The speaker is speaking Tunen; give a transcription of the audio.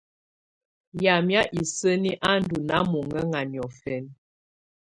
Yamɛ̀á isǝni á ndù nàà mɔŋǝŋa niɔfɛna.